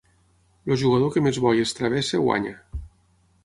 El jugador que més boies travessi guanya.